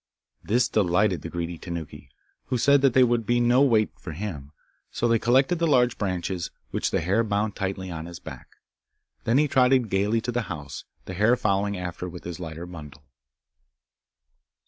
This delighted the greedy Tanuki, who said that they would be no weight for him, so they collected the large branches, which the hare bound tightly on his back. Then he trotted gaily to the house, the hare following after with his lighter bundle.